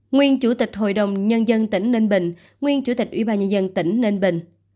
nguyên chủ tịch hội đồng nhân dân tỉnh ninh bình nguyên chủ tịch ủy ban nhân dân tỉnh ninh bình